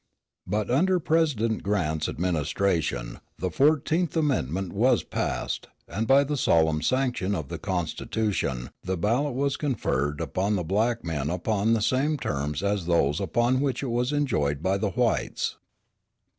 But under President Grant's administration the Fourteenth Amendment was passed, and by the solemn sanction of the Constitution the ballot was conferred upon the black men upon the same terms as those upon which it was enjoyed by the whites.